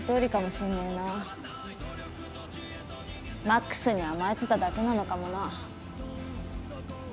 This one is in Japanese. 魔苦須に甘えてただけなのかもな。